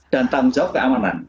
dan tanggung jawab keamanan